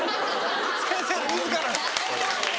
先生自ら。